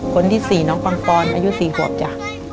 คนที่๔น้องปังปอนอายุ๔ขวบจ้ะ